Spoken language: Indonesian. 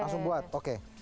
langsung buat oke